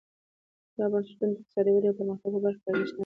دا بنسټونه د اقتصادي ودې او پرمختګ په برخه کې ارزښتناک وو.